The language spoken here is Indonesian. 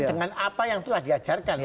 dengan apa yang telah diajarkan